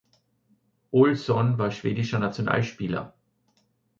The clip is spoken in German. Olsson war schwedischer Nationalspieler.